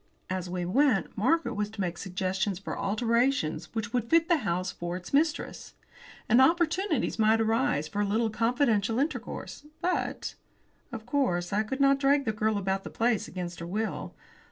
As we went, Margaret was to make suggestions for alterations which would fit the house for its mistress. And opportunities might arise for a little confidential intercourse. But, of course, I could not drag the girl about the place against her will.